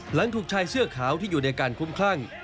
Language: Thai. หลังถูกชายเสื้อขาวที่อยู่ในการคุ้มคลั่ง